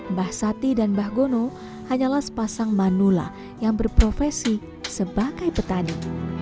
mbah sati dan mbah gono hanyalah sepasang manula yang berprofesi sebagai petani